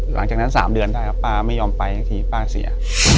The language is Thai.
หลังจากนั้น๓เดือนถ้าป้าไม่ยอมไปถึงป้าเสีย